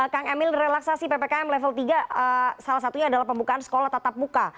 kang emil relaksasi ppkm level tiga salah satunya adalah pembukaan sekolah tatap muka